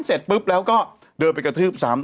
เสร็จปุ๊บแล้วก็เดินไปกระทืบซ้ำ